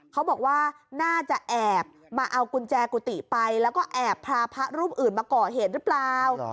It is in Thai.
เขาบอกว่าน่าจะแอบมาเอากุญแจกุฏิไปแล้วก็แอบพาพระรูปอื่นมาก่อเหตุหรือเปล่า